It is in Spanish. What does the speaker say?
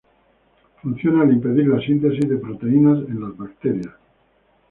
Funciona al impedir la síntesis de proteínas en las bacterias.